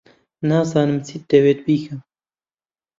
نازانم چیت دەوێت بیکەم.